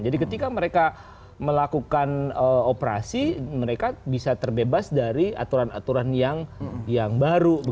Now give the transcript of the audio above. jadi ketika mereka melakukan operasi mereka bisa terbebas dari aturan aturan yang baru